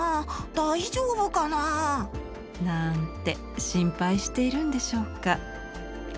大丈夫かなぁ」。なんて心配しているんでしょうか。